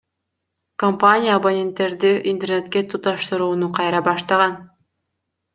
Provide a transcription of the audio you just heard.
Компания абоненттерди Интернетке туташтырууну кайра баштаган.